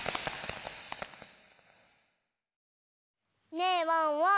ねえワンワン。